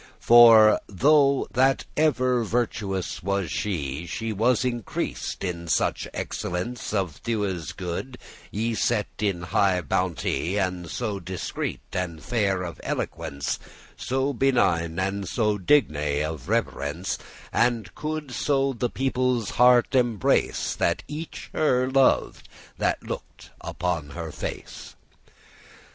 For though that ever virtuous was she, She was increased in such excellence Of thewes* good, y set in high bounte, *qualities And so discreet, and fair of eloquence, So benign, and so digne* of reverence, *worthy And coulde so the people's heart embrace, That each her lov'd that looked on her face.